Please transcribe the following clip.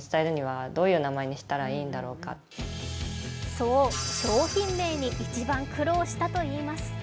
そう、商品名に一番苦労したといいます。